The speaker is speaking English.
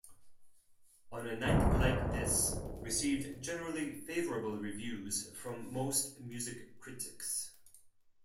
"On a Night Like This" received generally favourable reviews from most music critics.